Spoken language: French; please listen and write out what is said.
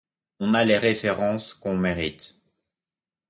On a les références qu'on mérite.